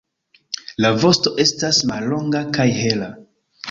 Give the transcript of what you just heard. La vosto estas mallonga kaj hela.